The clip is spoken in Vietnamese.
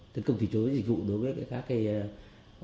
tấn công thủy chối dịch vụ đối với các website hoặc là các báo địa tờ